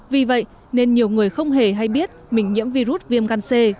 vì vậy nên nhiều người không hề hay biết mình nhiễm virus viêm gan c